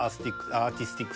アーティスティック。